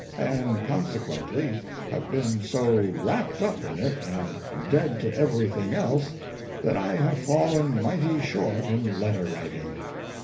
. and consequently have been so wrapped up in it and dead to everything else that I have fallen mighty short in letter writing."